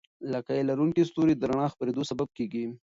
لکۍ لرونکي ستوري د رڼا د خپرېدو سبب کېږي.